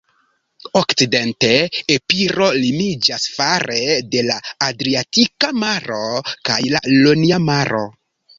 Okcidente, Epiro limiĝas fare de la Adriatika Maro kaj la Ionia Maro.